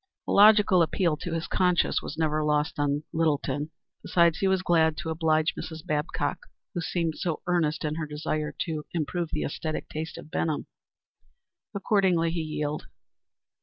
A logical appeal to his conscience was never lost on Littleton. Besides he was glad to oblige Mrs. Babcock, who seemed so earnest in her desire to improve the æsthetic taste of Benham. Accordingly, he yielded.